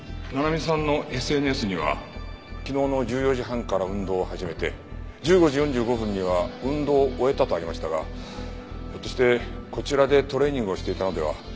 七海さんのＳＮＳには昨日の１４時半から運動を始めて１５時４５分には運動を終えたとありましたがひょっとしてこちらでトレーニングをしていたのでは？